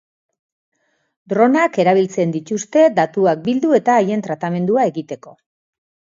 Dronak erabiltzen dituzte datuak bildu eta haien tratamendua egiteko.